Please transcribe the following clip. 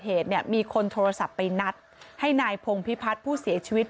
เหตุเนี่ยมีคนโทรศัพท์ไปนัดให้นายพงพิพัฒน์ผู้เสียชีวิต